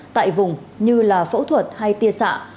tại vùng như là phẫu thuật hay tiê xạ